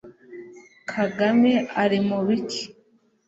kagame ali mubiki